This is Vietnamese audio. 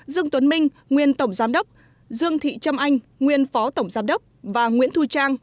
dương tuấn minh nguyên tổng giám đốc dương thị trâm anh nguyên phó tổng giám đốc và nguyễn thu trang